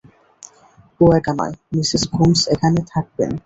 ও একা নয়, Mrs Gomes এখানে থাকবেন।